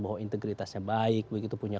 bahwa integritasnya baik begitu punya